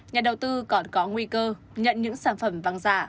nhà đầu tư còn có nguy cơ nhận những sản phẩm vàng giả